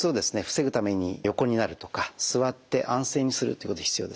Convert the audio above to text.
防ぐために横になるとか座って安静にするってこと必要ですね。